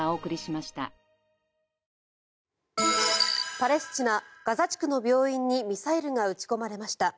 パレスチナ・ガザ地区の病院にミサイルが撃ち込まれました。